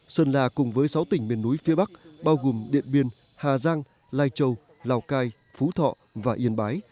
sơn la cùng với sáu tỉnh miền núi phía bắc bao gồm điện biên hà giang lai châu lào cai phú thọ và yên bái